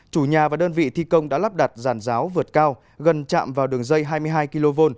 chủ nhà và đơn vị thi công đã lắp đặt ràn ráo vượt cao gần chạm vào đường dây hai mươi hai kv